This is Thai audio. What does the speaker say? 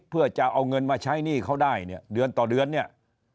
เพื่อจะเอาเงินมาใช้หนี้เขาได้เนี่ยเดือนต่อเดือนเนี่ย